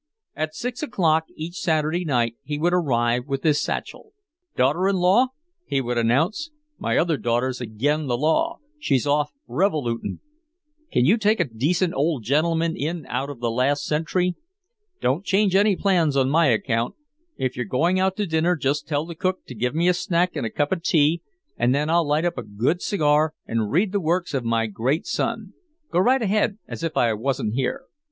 At six o'clock each Saturday night he would arrive with his satchel. "Daughter in law," he would announce, "my other daughter's agin the law, she's gone off revolooting. Can you take a decent old gentleman in out of the last century? Don't change any plans on my account. If you're going out to dinner just tell the cook to give me a snack and a cup of tea, and then I'll light a good cigar and read the works of my great son. Go right ahead as if I wasn't here."